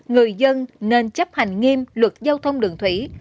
người dân nên chấp hành nghiêm luật giao thông đường thủy